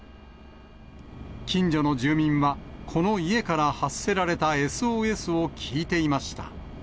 近所の住民は、この家から発せられたＳＯＳを聞いていました。